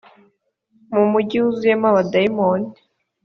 mu mugi wuzuyemo abadayimoni